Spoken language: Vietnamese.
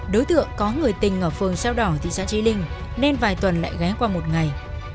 đối tượng có người tình ở phường sao đỏ thị xã trí linh nên vài tuần lại ghé qua một ngày